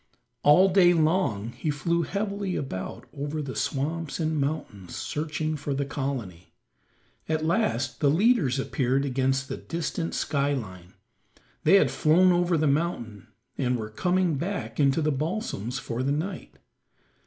All day long he flew heavily about over the swamps and mountains searching for the colony. At last the leaders appeared against the distant sky line; they had flown over the mountain, and were coming back into the balsams for the night.